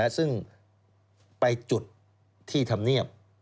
ซึ่งไปจุดที่ทำเนียบ